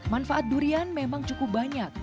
manfaat durian memang cukup banyak